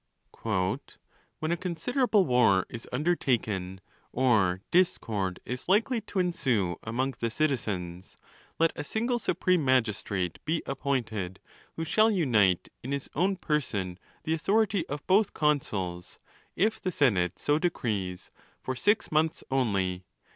"When a considerable war is undertaken, or discord is likely to ensue among the citizens, let a single supreme magistrate be appointed, who shall unite in his own person the authority of both consuls, if the senate so decrees, for six monthsonly.